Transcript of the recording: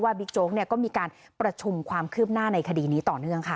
บิ๊กโจ๊กก็มีการประชุมความคืบหน้าในคดีนี้ต่อเนื่องค่ะ